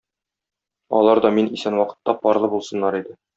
Алар да мин исән вакытта парлы булсыннар иде.